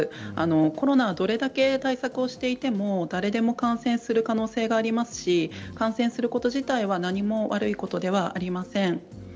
コロナはどれだけ対策をしていても誰でも感染する可能性がありますし感染すること自体は何も悪いことではありません。